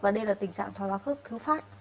và đây là tình trạng thoái hóa khớp thứ phát